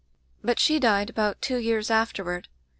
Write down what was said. "But she died about two years after ward.